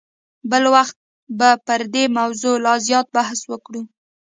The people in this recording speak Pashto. بل وخت به پر دې موضوع لا زیات بحث وکړو.